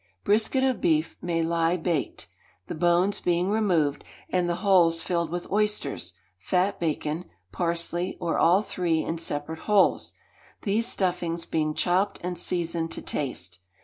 Brisket of beef may lie baked, the bones being removed, and the holes filled with oysters, fat bacon, parsley, or all three in separate holes; these stuffings being chopped and seasoned to taste.